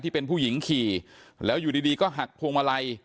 ที่เป็นผู้หญิงขี่แล้วอยู่ดีก็หักพวงมาลัย